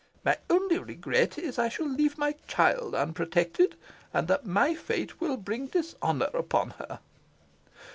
My only regret is, that I shall leave my child unprotected, and that my fate will bring dishonour upon her."